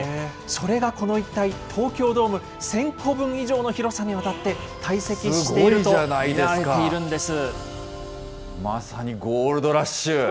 それがこの一帯、東京ドーム１０００個分以上の広さにわたって、堆積していると見られているんです。